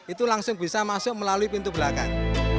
itu langsung bisa masuk melalui pintu belakang